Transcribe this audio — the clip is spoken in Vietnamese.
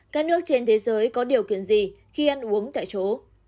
các nước trên thế giới có điều kiện gì khi ăn uống tại chỗ